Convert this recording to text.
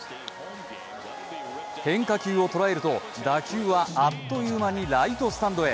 変化球を捉えると、打球はあっという間にライトスタンドへ。